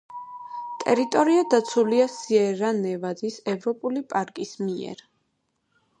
ტერიტორია დაცულია სიერა-ნევადის ეროვნული პარკის მიერ.